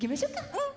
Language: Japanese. うん。